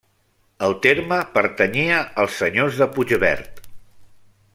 El terme pertanyia als senyors de Puigverd.